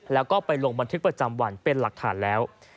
แล้วก็ไปลงบันทึกประจำวันเป็นหลักฐานแล้ว